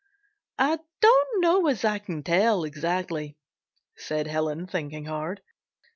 "I don't know as I can tell exactly," said Helen, thinking hard.